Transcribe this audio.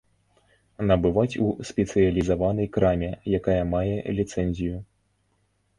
Набываць у спецыялізаванай краме, якая мае ліцэнзію.